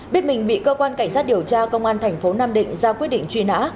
biết mình bị cơ quan cảnh sát điều tra công an thành phố nam định ra quyết định truy nã